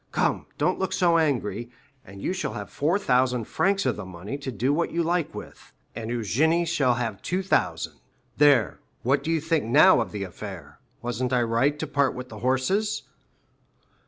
Come, don't look so angry, and you shall have 4,000 francs of the money to do what you like with, and Eugénie shall have 2,000. There, what do you think now of the affair? Wasn't I right to part with the horses?"